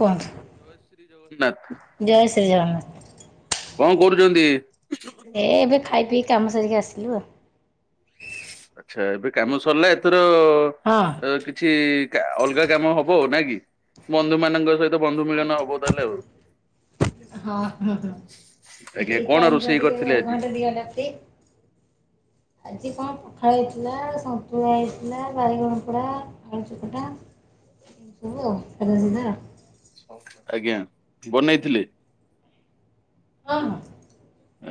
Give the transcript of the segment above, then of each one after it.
କୁହନ୍ତୁ ଜୟ ଶ୍ରୀ ଜଗନ୍ନାଥ। ଜୟ ଶ୍ରୀ ଜଗନ୍ନାଥ କଣ କରୁଛନ୍ତି? ହେ ଏବେ ଖାଇ ପିଇ କାମ ସାରିକି ଆସିଲୁ ଆଉ। ଆଚ୍ଛା ଏବେ କାମ ସରିଲା ଏଥର ହଁ କିଛି କା ଅଲଗା କାମ ହବ ଉ ନାକି ବନ୍ଧୁ ମାନଙ୍କ ସହି ତ ବନ୍ଧୁ ହଁ ମିଳନ ହବ ତାହେଲେ ଆଉ। ହଁ ହଁ ଏଇ ଆଜ୍ଞା କଣ ଟାଇମ ଟା ରୋଷେଇ ଟିକେ କରିଥିଲେ ଆଜି? ଘଣ୍ଟେ ଦି ଘଣ୍ଟା ଫ୍ରି। ଆଜି କଣ ପଖାଳ ହେଇଥିଲା ସନ୍ତୁଳା ହେଇଥିଲା ବାଇଗଣପୋଡ଼ା ଆଳୁ ଚକଟା ଏସବୁ ଆଉ ସାଧା ସିଧା। ଆଜ୍ଞା ବନେଇଥିଲେ ହଁ ହଁ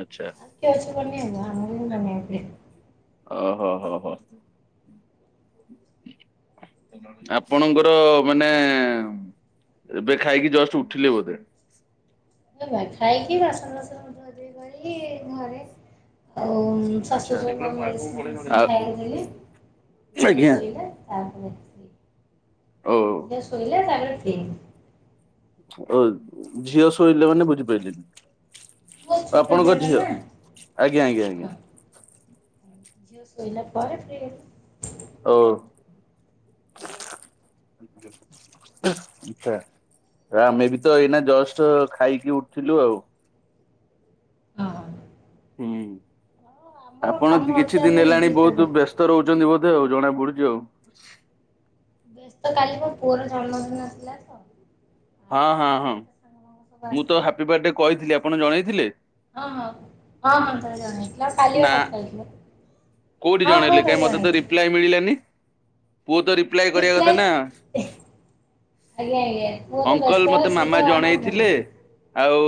ଆଚ୍ଛା କିଏ ଅଛି ବନେଇବାକୁ ଆମକୁ ହିଁ ବନେଇବାକୁ ପଡ଼ିବ। ଓ ହୋ ହୋ ହୋ [inaudible] ଆପଣଙ୍କର ମାନେ ଏବେ ଖାଇକି ଜଷ୍ଟ ଉଠିଲେ ବୋଧେ ଖାଇକି ବାସନ ଫାସନ ମାଜି ମୁଜାକି ଗଲି ଘରେ ଆଉ ଆଚ୍ଛା ଶାଶୁ ସବୁ ସେଗୁଡା ତାଙ୍କୁ ମୁଁ ଆଗକୁ ମେଡ଼ିସିନ ପଢେଇବି। ଫେଡିସିନ ଆଉ ଖାଇବାକୁ ଦେଲି ଝିଅ ଆଜ୍ଞା ଶୋଇଲା ତାପରେ ଓ ଝିଅ ଶୋଇଲା ତାପରେ ଫ୍ରି। ଓ ଝିଅ ଶୋଇଲେ ମାନେ ବୁଝିପାଇଲିନି ବହୁତ ଛୋଟ ଆପଣଙ୍କ ଝିଅଟା ଝିଅ, ଆଜ୍ଞା ଆଜ୍ଞା ଆଜ୍ଞା ନା ଝିଅ ଶୋଇଲା ପରେ ଫ୍ରି ହେଲି ଓ ଆଚ୍ଛା ଆମେ ବି ତ ଏଇନା ଜଷ୍ଟ ଖାଇକି ଉଠିଲୁ ଆଉ। ହଁ ହୁଁ ହଁ ଆମର ଆପଣ ଦି କାମ ଅଛି କିଛି ଦିନି ଆମେ ହେଲାଣି ଦିଥର ବହୁତ ବ୍ୟସ୍ତ ରହୁଛନ୍ତି ବୋଧେ ଆଉ ଜଣା ପଡୁଛି ଆଉ। ବ୍ୟସ୍ତ କାଲିି ମୋ ପୁଅର ଜନ୍ମଦିନ ଥିଲା ତ ଆଉ ହଁ ତ ହଁ ହଁ ଟିକେ ତା ସାଙ୍ଗ ଫାଙ୍ଗ ସବୁ ମୁଁ ତ ଆସିଥିଲେ ହାପି ବାର୍ଥଡେ ତ କହିଥିଲି ସେ ଆପଣ ଜଣେଇଥିଲେ? ହଁ ହଁ ହଁ ହଁ ତାକୁ ଜଣେଇଥିଲି, ଆଉ କାଲିବା ନା କଥା ହେଇଥିଲେ। କୋଉଠି ହଁ ଜଣେଇଲେ ହଁ କାଇଁ ତାକୁ ମତେ ତ ଜଣେଇଥିଲି। ରିପ୍ଲାଏ ମିଳିଲାନି ପୁଅ ତ ରିପ୍ଲାଏ କରିବାକଥା ନା ଆଜ୍ଞା ଆଜ୍ଞା ମୁଁ ତ ଅଙ୍କଲ୍ ବ୍ୟସ୍ତ ମୋତେ ସିଏ ମାମା ତ ଆମର ଜଣେଇଥିଲେ ଆଉ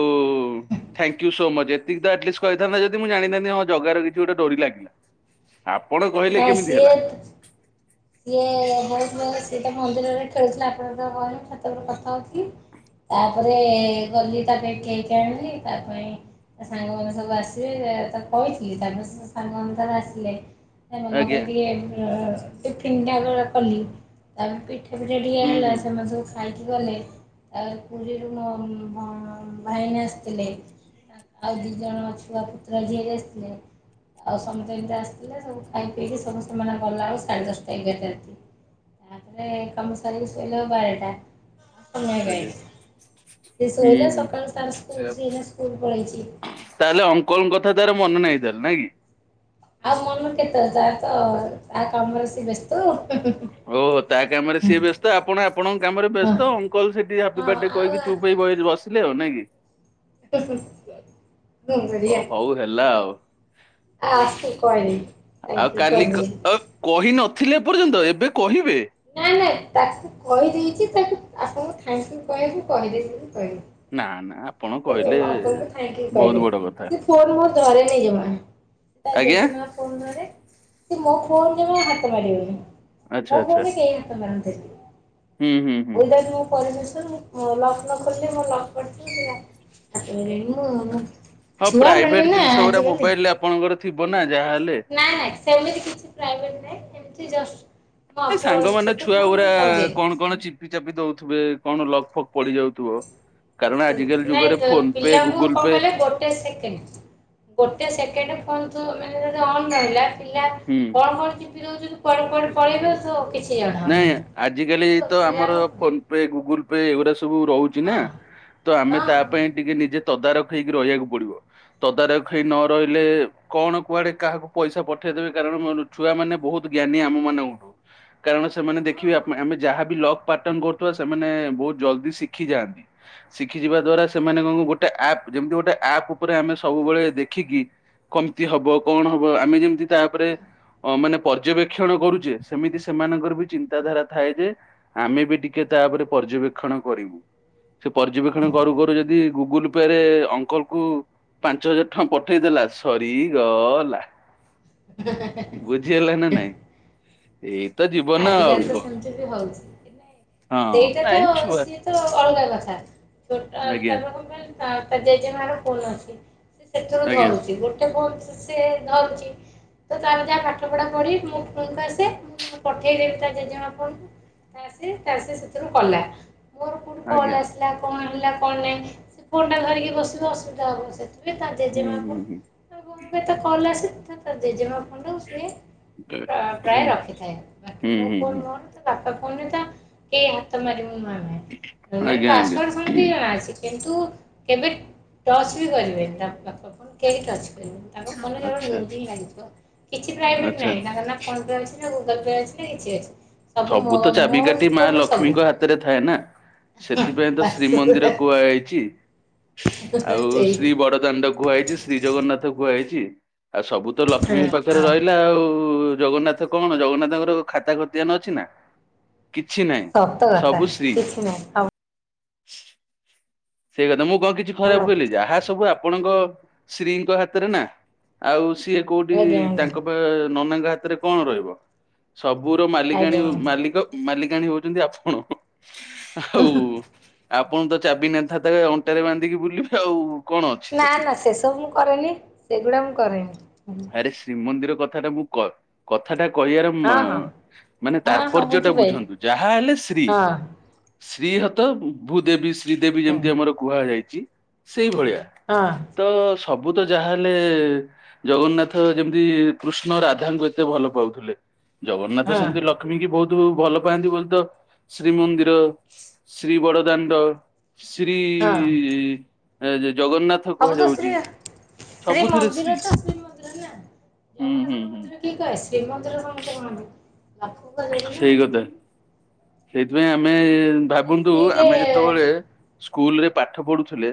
ଥାଙ୍କ୍ୟୁ ସୋ ମଚ ଏତିକି ତ ଆଟଲିଷ୍ଟ କହିଥାନ୍ତା ଯଦି ମୁଁ ଜଣିଥାନ୍ତିି ହଁ ଜଗାର କିଛି ଗୋଟେ ଡୋରି ଲାଗିଲା। ଆପଣ କହିଲେ ନାଇଁ କେମିତି ହେଲା! ସିଏ ସିଏ ସିଏତ ମନ୍ଦିରରେ ଖେଳୁଥିଲା ଆପଣ ଯେତେବେଳେ କହିଲେ ଛାତ ଉପରେ କଥା ହଉଥିଲି, ତାପରେ ଗଲି ତା ପାଇଁ କେକେ ଆଣିଲି ତା ପାଇଁ ତା ସାଙ୍ଗମାନେ ସବୁ ଆସିବେ, ତାକୁ କହିଥିଲି ତା ସାଙ୍ଗମାନେ ତାର ଆସିଲେ ସେମାନଙ୍କ ଆଜ୍ଞା ପାଇଁ ଟିକେ ଅ ଟିଫନ୍ ଟା ଗ କଲି ତାପରେ ପିଠା ଏବେ ରେଡ଼ିହେ ହୁଁ ହେଲା ହୁଁ ସେମାନେ ସବୁ ଖାଇକି ଗଲେ, ତାପରେ ପୁରୀରୁ ମୋ ଭ ଭାଇନା ଆସିଥିଲେ। ଆଉ ଦି ଜଣ ଛୁଆ ପୁତୁରା, ଝିଆରି ଆସିଥିଲେ। ଆଉ ସମସ୍ତେ ଏମିତି ଆସିଥିଲେ ସବୁ ଖାଇ ପିଇକି ସବୁ ସେମାନେ ଗଲାବେଳ ସାଢେ ଦଶ ଏଗାରଟା ରାତିରେ କାମ ସାରି ଶୋଇଲା ବେଳକୁ ବାରଟା, ଗାଇ ଆଜ୍ଞା ସେ ହୁଁ ଶୋଇଲା ହୁଁ। ସକାଳୁ ତାର ସ୍କୁଲ ସେ ଏଇନା ସ୍କୁଲ ପଳେଇଛି। ତାହେଲେ ଅଙ୍କଲ୍ ଙ୍କ କଥା ତାର ମନ ନାହିଁ ତାହେଲେ ନାଇ କି? ଆଉ ମନ କେତେ ତାର ତ ତା କାମରେ ସେ ବ୍ୟସ୍ତ ଓ ହୁଁ ହୁଁ ଓହୋ ତା କାମରେ ସିଏ ବ୍ୟ ତ ଆପଣ ଆପଣଙ୍କ କାମରେ ହଁ ବ୍ୟସ୍ତ, ଅଙ୍କଲ ସେଠି ହାପି ହଁ ବାର୍ଥଡେ ଆଉ କହିକି ଚୁପ୍ ହେଇ ବଇ ବସିଲେ ଆଉ, ନାଇଁ କି? ହୁଁ ହୁଁ ଅ ହଉ ହେଲା ଆଉ। ଆ ସୁ କହିଲି ଥାଙ୍କ୍ୟୁ କହିଦେ। କହି ନଥିଲେ ଏ ପର୍ଯ୍ୟନ୍ତ ଏବେ କହିବେ! ନାଇଁ ନାଇଁ ତାକୁ କହିଦେଇଛି ତାକୁ ଆପଣଙ୍କୁ ଥାଙ୍କ୍ୟୁ କହିବାକୁ କହିଦେଇଛି ବୋଲି କହିଲି। ନା ନା ଆପଣ କହିଲେ ଆପଣଙ୍କୁ ଥାଙ୍କ୍ୟୁ ବହୁତ କହିଦେ ବଡ କଥା ସେ ଫୋନ ମୋ ଧରେନି ଜମା। ତା ଆଜ୍ଞା ଜେଜେମା ଫୋନ ଧରେ, ସେ ମୋ ଫୋନ ଜମା ହାତ ମାରିବନି। ଆଚ୍ଛା ମୋ ଫୋନ ଆଚ୍ଛା ରେ କେହି ହାତ ମାରନ୍ତିନି, ହୁଁ ହୁଁ ହୁଁ। ଓଲଟା ଯଦି ମୋ ପରମିସନ ଲକ୍ ନ ଖୋଲିଲେ ମୋ ଲକ୍ ପଡିଥିବ ଏକ୍ଚୁଆଲି ମୁଁ [unintelligible] ହଁ ଛୁଆ ମାନେ ପ୍ରାଇଭେଟ ନା ଜିନିଷ ଗୁଡା ଆଜିକାଲି ମୋବାଇଲ ରେ ଆପଣଙ୍କର ଥିବ ନା ଯାହା ହେଲେ। ନାଇଁ ନାଇଁ ସେମିତି କିଛି ପ୍ରାଇଭେଟ ନହିଁ ଏମିତି ଜଷ୍ଟ, ମୋ ଏ ଫୋନ ସାଙ୍ଗମାନେ ଛୋଟ ଛୁଆ ପିଲାଙ୍କୁ ଗୁଡା ମୁଁ କରିଦିଏ। କଣ କଣ ଚିପି ଚାପି ଦଉଥିବେ କଣ ଲକ୍ ଫକ୍ ପଡିଯାଉଥିବ। କାରଣ ଆଜିକାଲି ନାଇଁ ଯୁଗରେ ତ ଫୋନ ପେ, ପିଲାଙ୍କୁ ଗୁଗୁଲ କଣ ପେ କହିଲେ ଗୋଟେ ସେକେଣ୍ଡ ଗୋଟେ ସେକେଣ୍ଡ କୁହନ୍ତୁ ମାନେ ଯଦି ଅନ ରହିଲା ପିଲା ହୁଁ କଣ କଣ ଚିପି ଦଉଛନ୍ତି କୁଆଡେ କୁଆଡେ ପଳେଇ କିଛି ନାଇଁ ଜଣାହବନି। ଆଜିିକାଲି ତ ଆମର ପିଲାର ହଁ ଫୋନ ପେ, ଗୁଗୁଲ ପେ ଏଗୁରା ସବୁ ରହୁଛି ନା, ହଁ ତ ଆମେ ହଁ ତା ପାଇଁ ଟିକେ ନିଜେ ତଦାରଖ ହେଇକି ରହିବାକୁ ପଡିବ। ତଦାରଖ ହେଇ ନ ରହିଲେ କଣ କୁଆଡେ କାହାକୁ ପଇସା ପଠେଇଦେବେ? କାରଣ ମ ଛୁଆ ମାନେ ବହୁତ ଜ୍ଞାନୀ ଆମ ମାନଙ୍କଠୁ। କାରଣ ସେମାନେ ହଁ ଦେଖିବେ ଆମେ ହୁଁ ଯାହାବି ଲଗ ପାଟନ କରୁଥିବା ସେମାନେ ବହୁତ ଜଲଦି ଶିଖି ଯାଆନ୍ତି। ଶିଖି ଯିବା ଦ୍ଵାରା ସେମାନେ କଣ ଗୋଟେ ଆପ୍ ଯେମିତି ଗୋଟେ ଆପ୍ ଉପରେ ଆମେ ସବୁବେଳେ ଦେଖିକି, କମତି ହବ, କଣ ହବ, ଆମେ ଯେମିତି ତା ଉପରେ ହୁଁ ଅ ମାନେ ପର୍ଯ୍ୟବେକ୍ଷଣ କରୁଛେ ହୁଁ। ସେମିତି ସେମାନଙ୍କର ବି ଚିନ୍ତାଧାରା ଥାଏ ଯେ ଆମେ ବି ଟିକେ ତାପରେ ପର୍ଯ୍ୟବେକ୍ଷଣ କରିବୁ। ସେ ପର୍ଯ୍ୟବେକ୍ଷଣ କରୁ କରୁ ଯଦି ଗୁଗୁଲ ପେ ରେ ଅଙ୍କଲ କୁ ପାଞ୍ଚ ହଜାର ଟଙ୍କା ପଠେଇଦେଲା ସରିଗଲା। ହେ ହେ ହେ ବୁଝିହେଲା ନା ନାଇଁ ଏ ଆଜିକାଲି ତ ସେମିତି ବି ହଉଛି ସେଇଟା ତ ନାଇଁ ଛୁଆ ସୀଏ ଅଲଗା କଥା ଆଜ୍ଞା ଛୋଟ [unintelligible] ଜେଜେମାର ଫୋନ୍ ଅଛି। ସେଥିରୁ ଆଜ୍ଞା ଧରୁଛି ଗୋଟେ ସେ ଧରୁଛି ତ ତାର ଯାହା ପାଠ ପଢା ପଢି ମୋ ପାଖକୁ ଆସେ ମୁଁ ତାକୁ ପଠେଇଦେବି ତା ଜେଜେମା ଫୋନକୁ ତା ସେ ତା ସେ ସେଥିରୁ କଲା। ମୋର କୋଉଠୁ କଲ ଆଜ୍ଞା ହେଲା କଣ ହେଲା କଣ ନାହିଁ ସେ କଣଟା ଧରିକି ବସିବ ଅସୁବିଧା ହେବ ସେଇଠି ଏ ତା ହୁଁ ଜେଜେମା ଫୋନ ହୁଁ କ ଆ ଏ ତ କଲ୍ ଆସେ ତା ଜେଜେମା ଫୋନ୍ କୁ ସିଏ ହୁଁ ପ୍ରାୟ ହୁଁ ରଖିଥାଏ ବାକି ହୁଁ ମୋ ହୁଁ ଫୋନ ହୁଁ ମୋର ତା ବାପା ଫୋନରେ ତ କିଏ ହାତ ମାରିବୁାନେ ମାନେ ଆଜ୍ଞା ଆଜ୍ଞା ପାସୱଆଡ ତ ଜଣା ଅଛି କିନ୍ତୁ କେବେ ଟଚ୍ ବି କରିବେନି ତା ବାପା ଫୋନ୍ କେହି ଟଚ୍ କରିବେନି ତାଙ୍କ ଫୋନରେ କେବଳ ଆଚ୍ଛା ମିଉଜିକ ଲାଗିଥିବ କିଛି ପ୍ରାଇଭେଟ ଆଚ୍ଛା ନାହିଁ ତାଙ୍କର ନାଁ ଫୋନ ପେ ଅଛି ନା ଗୁଗଲ ପେ ଅଛି ନା କିଛି ଅଛି। ମୋ ସବୁ ତ ମୋର ଚାବିକାଠି ମା ଫୋନ୍ରୁ ସବୁ ଲକ୍ଷ୍ମୀଙ୍କ ହାତରେ ଥାଏ ନା। ସେଥିପାଇଁ ତ ବାସ୍ ଶ୍ରୀମନ୍ଦିର କୁହାଯାଇଛି। ଆଉ ଏଇ ଶ୍ରୀ ବଡ଼ଦାଣ୍ଡ କୁହା ହେଇଛି, ଶ୍ରୀ ଜଗନ୍ନାଥ କୁହା ହେଇଛି ଆଉ ସବୁ ତ ହଁ ଲକ୍ଷ୍ମୀଙ୍କ ପାଖରେ ହଁ ରହିଲା ଆଉ ଜଗନ୍ନାଥ କଣ ଜଗନ୍ନାଥଙ୍କର ଖାତା ଖତିଆ ନ ଅଛି। କିଛି ନାହିଁ କିଛି ନାହିଁ ସତ କଥା ସବୁ ଶ୍ରୀ କିଛି ନାହିଁ ସବୁ ସେଇ କଥା ମୁଁ କଣ କିଛି ଖରାପ ରଖ- କଲି ଯାହା ସବୁ ଆପଣଙ୍କ ଶ୍ରୀ ଙ୍କ ହାତରେ ନା ଆଉ ସିଏ କୋଉଠି ଆଜ୍ଞା ଆଜ୍ଞା ତାଙ୍କ ନନାଙ୍କ ହାତରେ କଣ ରହିବ? ସବୁର ମାଲିକାଣୀ ଆଜ୍ଞା ମାଲିକ ମାଲିକାଣୀ ହଉଛନ୍ତି ଆପଣ ଆଉ ଆପଣ ତ ଚାବି ନେନଥାତା ଅଣ୍ଟାରେ ବାନ୍ଧିକି ବୁଲିବେ ଆଉ କଣ ଅଛି ନା ସେଥିରେ। ନା ସେସବୁ ମୁଁ କରେନି ସେଗୁଡା ମୁଁ କରେନି। ଆରେ ଶ୍ରୀମନ୍ଦିର କଥା ଟା ମୁଁ କଥାଟା କହିବାର ହଁ ହଁ ମାନେ ହଁ ହଁ ତାତ୍ପର୍ଯ୍ୟ ଟା ବୁଝିପାଇଲି ବୁଝନ୍ତୁ ଯାହା ହେଲେ ଶ୍ରୀ ହଁ ଶ୍ରୀ ହତ ଭୂଦେବୀ ଶ୍ରୀ ଶ୍ରୀଦେବୀ ହୁଁ ଯେମିତି ଆମର କୁହାଯାଇଛି ସେଇ ଭଳିଆ ହଁ ତ ସବୁ ତ ଯାହାହେଲେ, ଜଗନ୍ନାଥ ଯେମିତି କୃଷ୍ଣ ରାଧାଙ୍କୁ ଏତେ ଭଲ ପାଉଥିଲେ ଜଗନ୍ନାଥ ହଁ ସେମତି ଲକ୍ଷ୍ମୀ ଲକ୍ଷ୍ମୀ ଙ୍କି ବହୁତ ଭଲ ପାଆନ୍ତି ବୋଲିତ ଶ୍ରୀମନ୍ଦିର ଶ୍ରୀ ବଡଦାଣ୍ଡ ଶ୍ରୀ ହଁ ଜଗନ୍ନାଥ ହବ ତ କୁହାଯାଉଛି ଶ୍ରୀ ଶ୍ରୀ ମନ୍ଦିର ତ ଶ୍ରୀ ମନ୍ଦିର ନା ହୁଁ ହୁଁ ଜଗନ୍ନାଥଙ୍କ ହୁଁ ମନ୍ଦିର କି କହେ ଶ୍ରୀମନ୍ଦିର କଣ ତ କହନ୍ତି ଆ ସେଇ କଥା ସେଇଥିପାଇଁ ଆମେ ବିନା ଭାବନ୍ତୁ ସ୍ତ୍ରୀରେ ଆମେ ଯେତେବେଳେ, ସ୍କୁଲ ରେ ପାଠ ପଢୁଥିଲେ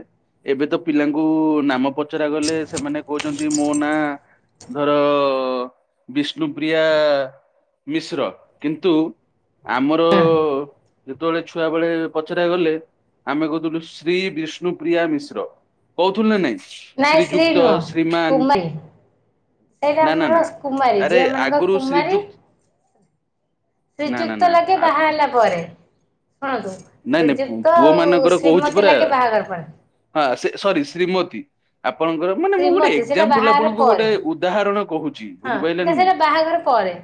ଏବେ ତ ପିଲାଙ୍କୁ ନାମ ପଚରା ଗଲେ ସେମାନେ କହୁଛନ୍ତି ମୋ ନାଁ ଧର ବିଷ୍ଣୁପ୍ରିୟା ମିଶ୍ର। କିନ୍ତୁ ଆମର, ଯେତେବେଳେ ଛୁଆ ବେଳେ ପଚରା ଗଲେ ଆମେ କହୁଥିଲୁ ଶ୍ରୀ ବିଷ୍ଣୁପ୍ରିୟା ମିଶ୍ର। କହୁଥିଲୁ ନା ନାଇଁ? ନାଇ ଶ୍ରୀ ଶ୍ରୀଯୁକ୍ତ ନୁହଁ ଶ୍ରୀମାନ କୁମାରୀ ସେଇଟା ନା ନା ଆମର ନା କୁମାରୀ ଆରେ ଝିଅ ମାନଙ୍କ ଆଗରୁ କୁମାରୀ ଶ୍ରୀଯୁକ୍ତ ନା ନା ଶ୍ରୀଯୁକ୍ତ ନା ଲାଗେ ନାଇଁ ବାହାହେଲା ପରେ ଶୁଣନ୍ତୁ ନାଇଁ ଶ୍ରୀଯୁକ୍ତ ପୁଅ ଆଉ ମାନଙ୍କର କହୁଛି ଶ୍ରୀମତୀ ପରା ଲାଗେ ବାହାଘର ପରେ ହଁ, ସେ ସରି ଶ୍ରୀମତୀ ଆପଣଙ୍କର ମାନେ ମୁଁ ଗୋଟେ ଶ୍ରୀମତୀ ସେଇଟା ଏକ୍ଜାମପୁଲ ବାହାଘର ଆପଣଙ୍କୁ ପରେ ଗୋଟେ ଉଦାହରଣ କହୁଛି ହଁ ବୁଝିପାଇଲେ ନା ସେଇଟା ନାଇଁ? ବାହାଘର ପରେ।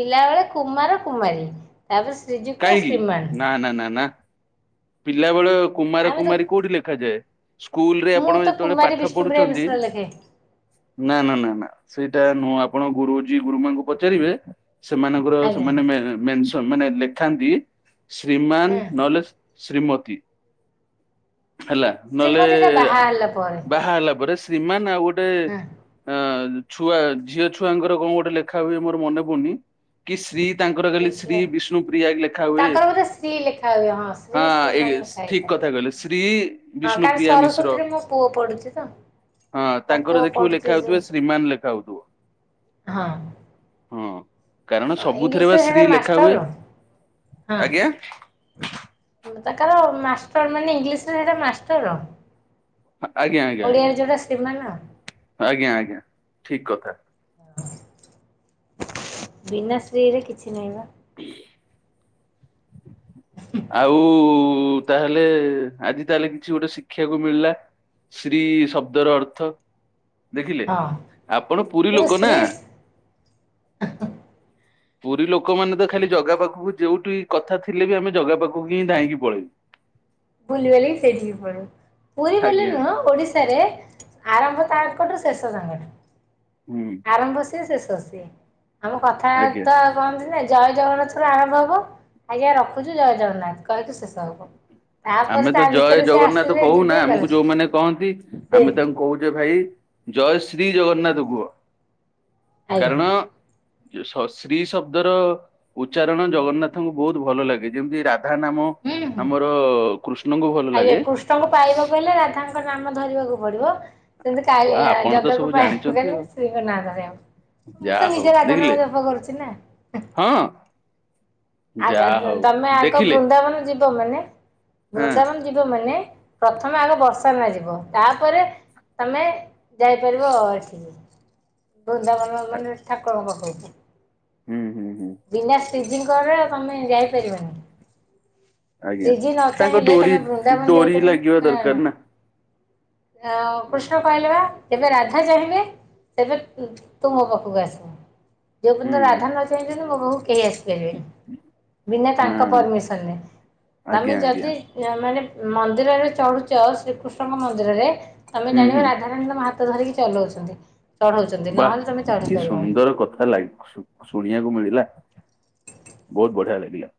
ପିଲାବେଳେ କୁମାର, କୁମାରୀ ତାପରେ ଶ୍ରୀଯୁକ୍ତ, କାହିଁକି ଶ୍ରୀମାନ ପିଲାବେଳେ କୁମାର, ଆମେ ତ କୁମାରୀ କୋଉଠି ଲେଖାଯାଏ? ସ୍କୁଲରେ ମୁଁ ଆପଣ ତ ଯେତେବେଳେ କୁମାରୀ ପାଠ ବିଷ୍ଣୁପ୍ରିୟା ପଢୁଛନ୍ତି ମିଶ୍ର ଲେଖେ। ନା, ନା, ନା, ନା ସେଇଟା ନୁହଁ ଆପଣ ଗୁରୁଜୀ, ଗୁରୁମାଙ୍କୁ ପଚାରିବେ ସେମାନଙ୍କର ଆଜ୍ଞା ସେମାନେ ମେନସନ୍ ମାନେ ଲେଖାନ୍ତି ଶ୍ରୀମାନ ହଁ ନହେଲେ ଶ୍ରୀମତୀ ହେଲା। ନହେଲେ ଶ୍ରୀମତୀ ଟା ବାହା ହେଲା ପରେ ବାହା ହେଲା ପରେ ଶ୍ରୀମାନ ଆଉ ଗୋଟେ ହଁ ଅ ଛୁଆ ଝିଅ ଛୁଆଙ୍କର କଣ ଗୋଟେ ଲେଖା ହୁଏ ମୋର ମନେ ପଡୁନି କି ଶ୍ରୀ ତାଙ୍କର ଖାଲି ଶ୍ରୀ ଦେଖିଲେ ବିଷ୍ଣୁ ପ୍ରିୟା ଲେଖା ହୁଏ। ତାଙ୍କର ବୋଧେ ଶ୍ରୀ ଲେଖାହୁଏ ହଁ। ହଁ, ଶ୍ରୀ ଶ୍ରୀମାନ ଏ ଲେଖା ଠିକ୍ ହେଇଥାଏ। କଥା କହିଲ। ଶ୍ରୀ ହଁ କାରଣ ବିଷ୍ଣୁପ୍ରିୟା ମିଶ୍ର। ସରସ୍ଵତୀରେ ମୋ ପୁଅ ପଢୁଛି ତ ହଁ, ମୋ ପୁଅ ତାଙ୍କର ଦେଖିବୁ ଲେଖା ପଢୁଛି ହଉଥିବେ ଶ୍ରୀମାନ ଲେଖା ହଉଥିବ। ହଁ। ହଁ, କାରଣ ସବୁଥିରେ ବା ଇଂଲିଶରେ ଶ୍ରୀ ହେଟା ଲେଖା ହୁଏ। ମାଷ୍ଟର। ହଁ ଆଜ୍ଞା! ତାଙ୍କର ମାଷ୍ଟର ମାନେ ଇଂଲିଶ ରେ ସେଇଟା ମାଷ୍ଟର। ଆଜ୍ଞା ଆଜ୍ଞା ଓଡ଼ିଆରେ ଆଜ୍ଞା ଯୋଉଟା ଶ୍ରୀମାନ ଆଜ୍ଞା ଆଜ୍ଞା ଠିକ୍ କଥା। ବିନା ଶ୍ରୀ ରେ କିଛି ନାହିଁ ବା। [inaudible] ଆଉ ତାହେଲେ ଆଜି ତାହେଲେ କିଛି ଗୋଟେ ଶିଖିବାକୁ ମିଳିଲା। ଶ୍ରୀ ଶବ୍ଦର ଅର୍ଥ। ଦେଖିଲେ, ହଁ ଆପଣ ପୁରୀ ତେଣୁ ଲୋକ ନା। ସ୍ତ୍ରୀ ପୁରୀ ଲୋକମାନେ ତ ଖାଲି ଜଗା ପାଖକୁ ଯୋଉଠି କଥା ଥିଲେ ବି ଆମେ ଜଗା ପାଖକୁ ହିଁ ଧାଇଁକି ପଳେଇବୁ। ବୁଲିବାଲି କି ସେଇଠିକି ପଳେଇବୁ। ପୁରୀ ବୋଲି ଆଜ୍ଞା ନୁହଁ ଆଜ୍ଞା ଓଡିଶାରେ ଆରମ୍ଭ ତାଙ୍କଠୁ ଶେଷ ତାଙ୍କଠୁ। ହୁଁ, ଆରମ୍ଭ ସିଏ ଶେଷ ସିଏ। ଆମ କଥା ଆଜ୍ଞା ବାର୍ତା ବନ୍ଦ। [unintelligible] ଜୟ ଜଗନ୍ନାଥ ରୁ ଆରମ୍ଭ ହବ। ଆଜ୍ଞା! ରଖୁଚି ଜୟ ଜଗନ୍ନାଥ କହିକି ଶେଷ ହବ। ତାପରେ ଆମେ ତା ତ ଜୟ ଭିତରେ ସେ ଜଗନ୍ନାଥ ଆସିବେ କହୁନା। ଯିବେ ଗଲେ ଆମକୁ ସେ ଯୋଉମାନେ କହନ୍ତି ଆମେ ତାଙ୍କୁ କହୁଯେ ଭାଇ ଜୟ ଶ୍ରୀ ଜଗନ୍ନାଥ କୁହ। ଆଜ୍ଞା କାରଣ ଯୋଉ ଶ ଶ୍ରୀ ଶବ୍ଦର ଉଚ୍ଚାରଣ ଜଗନ୍ନାଥଙ୍କୁ ବହୁତ ଭଲ ଲାଗେ। ଯେମିତି ରାଧା ନାମ ହୁଁ ହୁଁ। ଆମର କୃଷ୍ଣଙ୍କୁ ଭଲ ଆଜ୍ଞା। ଲାଗେ କୃଷ୍ଣଙ୍କୁ ପାଇବାକୁ ହେଲେ ରାଧାଙ୍କ ନାମ ଧରିବାକୁ ପଡିବ। ସେମିତି ହଁ କାଳିଆ ଆପଣ ତ ଜଗାକୁ ସବୁ ପାଇବାକୁ ଜାଣିଛନ୍ତି ହେଲେ ଆଉ ଶ୍ରୀଙ୍କ ନା ଧରିବାକୁ ମୁଁ ଯାହା ତ ହଉ ନିଜେ ରାଧା ନାମ ଦେଖିଲେ ଜପ କରୁଚି ନା। ହଁ। ଆ ଗ ଯାହା ଗ ହଉ ତମେ ଆଗ ଦେଖିଲେ ବୃନ୍ଦାବନ ଯିବ ମାନେ ହଁ ବୃନ୍ଦାବନ ଯିବ ମାନେ ପ୍ରଥମେ ଆଗ ବର୍ସାନା ଯିବ। ତାପରେ ତମେ ଯାଇପାରିବ ଏଠିକି ବୃନ୍ଦାବନ ମାନେ ଠାକୁରଙ୍କ ପାଖକୁ। ହୁଁ ହୁଁ ହୁଁ ବିନା ଶ୍ରୀଜିଙ୍କରେ ତମେ ଯାଇପାରିବନି। ଆଜ୍ଞା ଶ୍ରୀଜି ତାଙ୍କ ନଚାହିଁଲେ ଡୋରି ତମେ ବୃନ୍ଦାବନ ଡୋରି ଯାଇପାରିବନି। ଲାଗିବା ଦରକାର [unintelligible] ନା ଅ କୃଷ୍ଣ କହିଲେ ବା ଯେବେ ରାଧା ଚାହିଁବେ ସେବେ ତୁ ମୋ ପାଖକୁ ଆସିବୁ। ଯୋଉ ହୁଁ ପର୍ଯ୍ୟନ୍ତ ରାଧା ନ ଚାହିଁଛନ୍ତି ମୋ ପାଖକୁ କେହି ଆସିପାରିବେନି। ହୁଁ, ବିନା ତାଙ୍କ ପରମିସନ ରେ। ତମେ ଆଜ୍ଞା ଆଜ୍ଞା ଯଦି ମାନେ ମନ୍ଦିରରେ ଚଢୁଚ ଶ୍ରୀକୃଷ୍ଣଙ୍କ ମନ୍ଦିରରେ ତମେ ହୁଁ ଜାଣିବ ହୁଁ ରାଧା ତମ ହାତ ଧରିକି ଚଲଉଛନ୍ତି। ଚଢଉଛନ୍ତି ବାଃ! ନହେଲେ ତମେ ଚଢି କି ପାରିବନି। ସୁନ୍ଦର କଥା ଶୁଣିବାକୁ ମିଳିଲା। ବହୁତ ବଢିଆ ଲାଗିଲା।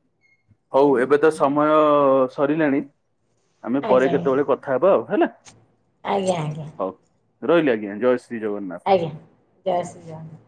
ହଉ ଏବେ ତ ସମୟ ସରିଲାଣି ଆମେ ପରେ ଆଜ୍ଞା ଆଜ୍ଞା କେତେବେଳେ କଥା ହବା ଆଉ ହେଲା। ଆଜ୍ଞା ଆଜ୍ଞା ହଉ। ରହିଲି ଆଜ୍ଞା, ଜୟ ଶ୍ରୀ ଜଗନ୍ନାଥ। ଆଜ୍ଞା, ଜୟ ଶ୍ରୀ ଜଗନ୍ନାଥ।